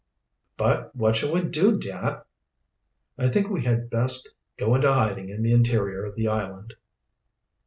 "But what shall we do, dad?" "I think we had best go into hiding in the interior of the island.